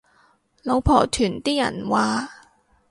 老婆團啲人話